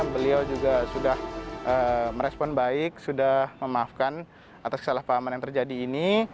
beliau juga sudah merespon baik sudah memaafkan atas kesalahpahaman yang terjadi ini